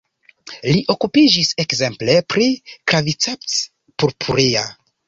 Li okupiĝis ekzemple pri "Claviceps purpurea".